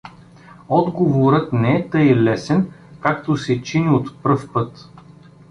Отговорът не е тъй лесен, както се чини от пръв път.